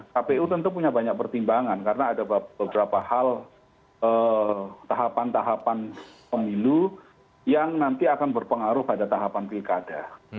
kpu tentu punya banyak pertimbangan karena ada beberapa hal tahapan tahapan pemilu yang nanti akan berpengaruh pada tahapan pilkada